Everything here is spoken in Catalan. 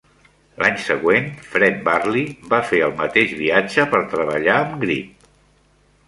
L'any següent, Fred Varley va fer el mateix viatge per treballar amb Grip.